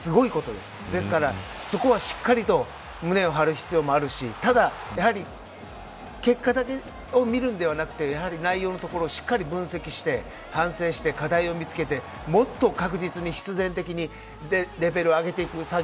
ですから、そこはしっかりと胸を張る必要があるしただ、やはり結果だけを見るんではなくて内容のところをしっかり分析して、反省して課題を見つけてもっと確実に必然的にレベルを上げていく作業。